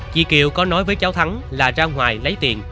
chị kiều có nói với cháu thắng là ra ngoài lấy tiền